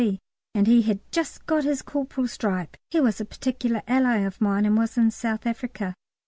C. And he had just got his corporal's stripe. He was a particular ally of mine and was in South Africa.